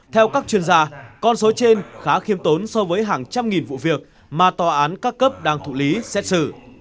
theo các chuyên gia con số trên khá khiêm tốn so với hàng trăm nghìn vụ việc mà tòa án các cấp đang thụ lý xét xử